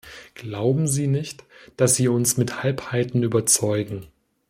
Glauben Sie nicht, dass Sie uns mit Halbheiten überzeugen.